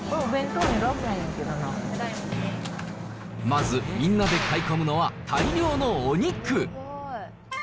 まず、みんなで買い込むのは大量のお肉。